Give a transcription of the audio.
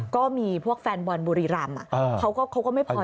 ก็มีพวกแฟนบอลบุรีรำเขาก็ไม่พอ